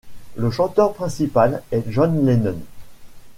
Le chanteur principal est John Lennon.